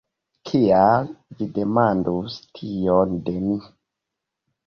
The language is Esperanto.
"Kial vi demandus tion de mi?